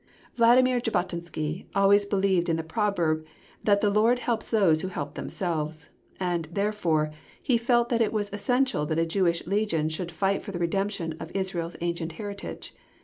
Vladimir Jabotinsky always believed in the proverb that the Lord helps those who help themselves, and, therefore, he felt that it was essential that a Jewish legion should fight for the redemption of Israel's ancient heritage.